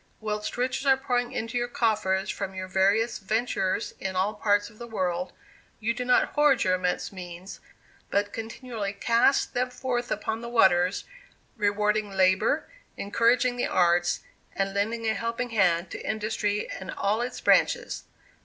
Whilst riches are pouring into your coffers from your various 'ventures' in all parts of the world, you do not hoard your immense means, but continually 'cast them forth upon the waters,' rewarding labor, encouraging the arts, and lending a helping hand to industry in all its branches.